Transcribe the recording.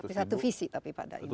tapi satu visi pak ada intinya